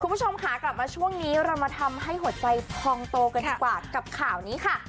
คุณผู้ชมค่ะกลับมาช่วงนี้เรามาทำให้หัวใจพองโตกันดีกว่ากับข่าวนี้ค่ะ